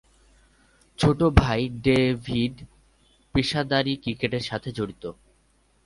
ছোট ভাই ডেভিড পেশাদারী ক্রিকেটের সাথে জড়িত।